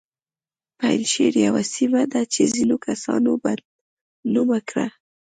پنجشیر یوه سیمه ده چې ځینو کسانو بد نومه کړه